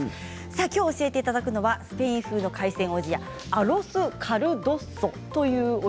きょう教えていただくのはスペイン風海鮮おじやアロス・カルドッソ。